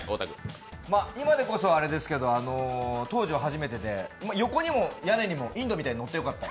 今でこそあれですけど当時は初めてで横にも屋根にも、インドみたいにのってよかった。